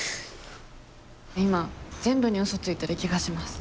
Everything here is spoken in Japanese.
今全部に嘘ついてる気がします。